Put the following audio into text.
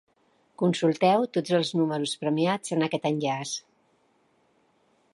Consulteu tots els números premiats en aquest enllaç.